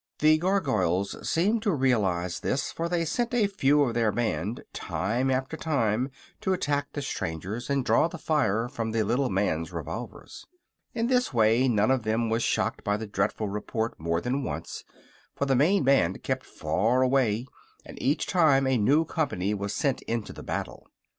The Gargoyles seemed to realize this, for they sent a few of their band time after time to attack the strangers and draw the fire from the little man's revolvers. In this way none of them was shocked by the dreadful report more than once, for the main band kept far away and each time a new company was sent into the battle.